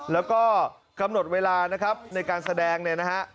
แล้วก็กำหนดเวลานะครับในการแสดงเนี่ยนะฮะ